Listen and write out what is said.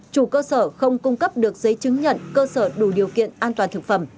chủ cơ sở không cung cấp được giấy chứng nhận cơ sở đủ điều kiện an toàn thực phẩm